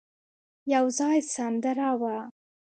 يو ځای سندره وه.